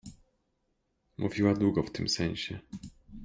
Mówiła długo w tym sensie.